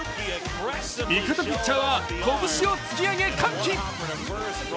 味方ピッチャーは拳を突き上げ歓喜。